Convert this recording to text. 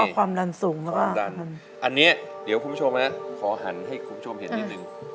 ความดันสูงแล้วก็ดันอันนี้เดี๋ยวคุณผู้ชมนะขอหันให้คุณผู้ชมเห็นนิดนึง